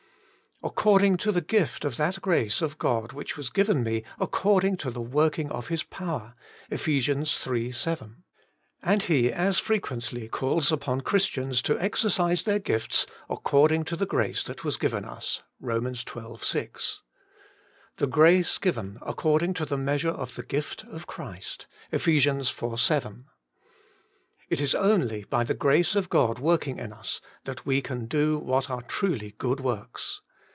'According to the gift of that grace of God which was given me according to the working of His power' (Eph. iii. 7). And he as frequently calls upon Christians to exercise their gifts ' according to the grace that was given us ' (Rom. xii. 6). 'The grace given accord ing to the measure of the gift of Christ ' (Eph. iv. 7). It is only by the grace of God working in us that we can do what are truly good works.